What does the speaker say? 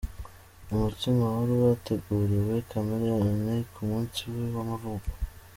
Umutsima wari wateguriwe Chmeleone ku munsi we w'amavuko.